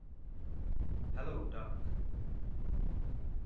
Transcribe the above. Hello, dark.